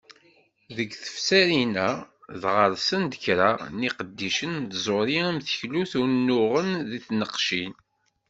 Deg tefsarin-a dɣa, rsen-d kra n yiqeddicen n tẓuri am teklut, unuɣen d tneqcin.